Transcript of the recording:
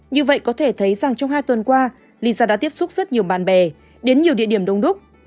như vậy có thể thấy rằng trong hai tuần qua lisa đã tiếp xúc rất nhiều bạn bè đến nhiều địa điểm đông đúc